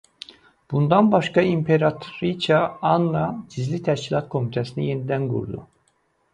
Bundan başqa imperatriça Anna Gizli Tədqiqat komitəsini yenidən qurdu.